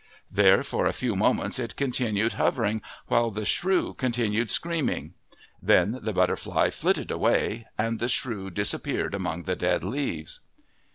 There for a few moments it continued hovering while the shrew continued screaming; then the butterfly flitted away and the shrew disappeared among the dead leaves.